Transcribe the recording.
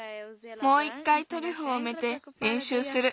もういっかいトリュフをうめてれんしゅうする。